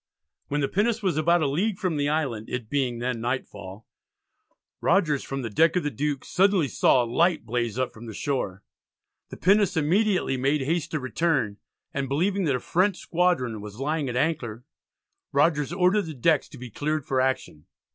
When the pinnace was about a league from the island, it being then nightfall, Rogers, from the deck of the Duke, suddenly saw a light blaze up from the shore. The pinnace immediately made haste to return, and believing that a French squadron was lying at anchor, Rogers ordered the decks to be cleared for action.